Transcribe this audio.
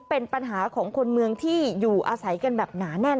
เป็นปัญหาของคนเมืองที่อยู่อาศัยกันแบบหนาแน่น